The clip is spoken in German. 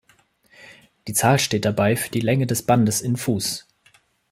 Die Zahl steht dabei für die Länge des Bandes in Fuß.